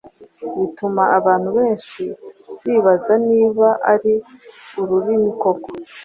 bituma abantu benshi bibaza niba ari ururimi koko.